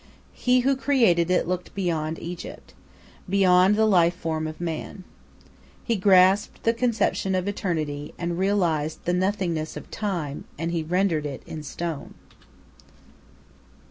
He who created it looked beyond Egypt, beyond the life of man. He grasped the conception of Eternity, and realized the nothingness of Time, and he rendered it in stone.